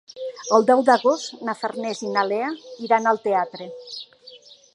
El deu d'agost na Farners i na Lea iran al teatre.